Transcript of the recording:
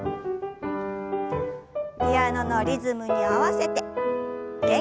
ピアノのリズムに合わせて元気よく。